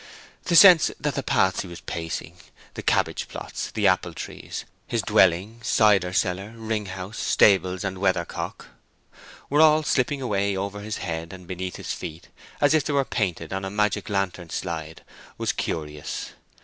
The sense that the paths he was pacing, the cabbage plots, the apple trees, his dwelling, cider cellar, wring house, stables, and weathercock, were all slipping away over his head and beneath his feet, as if they were painted on a magic lantern slide, was curious.